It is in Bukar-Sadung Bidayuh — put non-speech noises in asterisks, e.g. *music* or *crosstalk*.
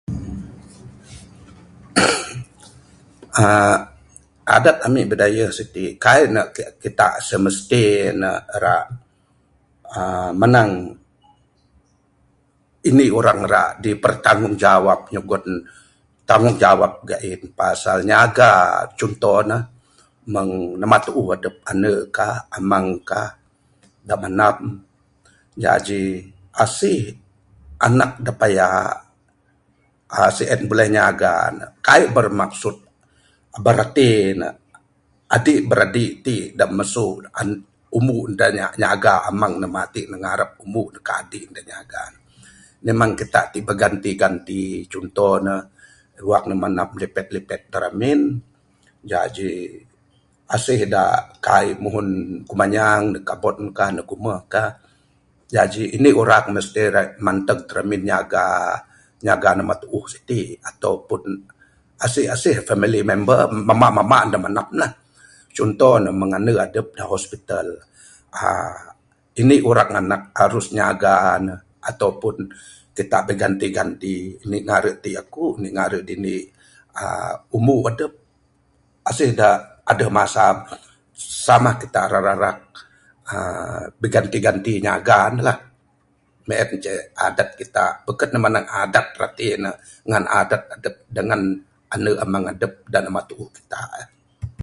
*noise* uhh Adat ami' Bidayuh sitik, kaik ne kitak rak smesti ne rak uhh manang indik urang rak dipertanggungjawab nyugon tanggugjawap ga'in pasal nyaga. Cunto ne, mung namba tuuh adup, andu' kah, amang kah da mandam. Jaji asih anak da payak, uhh si'en buleh nyaga ne, Kaik bermaksud, bereti ne adik biradik tik da masu umbu' da nyaga amang ne matin ne nyaga ngarap umbu ka adik ka da nyaga ne. Memang kitak tik beganti-ganti. Cunto ne wang ne mandam ne lipet-lipet da ramin, jaji asih da kaik muhun kumanyang da kabon kah, ndug umuh kah. Jaji indi urang mesti rak manteg da ramin nyaga, nyaga namba tuuh sitik. Atau pun asih-asih family member, mambak-mambak ne da mandam lah. Cunto ne mung andu adup da hospital, uhh indik urang anak harus nyaga ne atau pun kitak biganti-ganti. Ndik ngaru' tik akuk, ndik ngaru' dak dindi umbu adup. Asih da adup masa, samah kitak rararak uhh biganti-ganti nyaga ne lah. Mung en ce adat kitak. Bekun ne manang adat. Rati ne ngan adat adup dengan andu amang adup da namba tuuh kitak.